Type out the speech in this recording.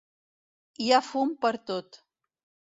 Hi ha fum pertot.